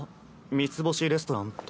三ツ星レストランって。